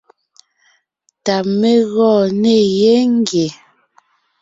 Tà mé gɔɔn ne yé ngie.